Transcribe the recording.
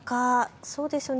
そうですよね。